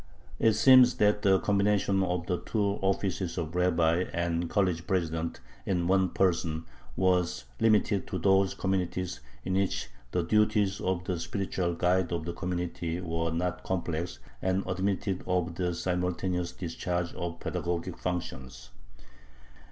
It seems that the combination of the two offices of rabbi and college president in one person was limited to those communities in which the duties of the spiritual guide of the community were not complex, and admitted of the simultaneous discharge of pedagogic functions.